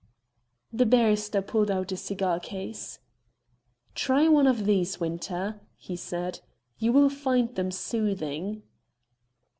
The barrister pulled out a cigar case. "Try one of these, Winter," he said. "You will find them soothing."